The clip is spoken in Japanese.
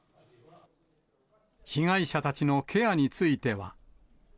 被害者たちのケアについては。